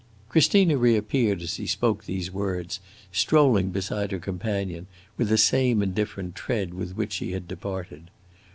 Christina reappeared as he spoke these words, strolling beside her companion with the same indifferent tread with which she had departed.